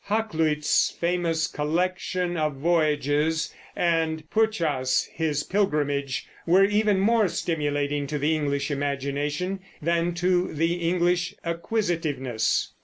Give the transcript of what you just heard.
Hakluyt's famous Collection of Voyages, and Purchas, His Pilgrimage, were even more stimulating to the English imagination than to the English acquisitiveness.